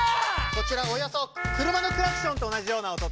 こちらおよそ車のクラクションと同じような音。